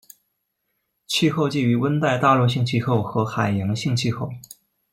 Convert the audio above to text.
气候介于温带大陆性气候和海洋性气候。